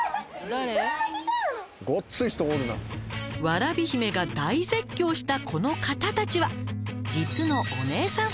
「わらび姫が大絶叫したこの方たちは実の」